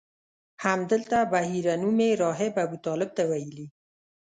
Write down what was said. همدلته بحیره نومي راهب ابوطالب ته ویلي.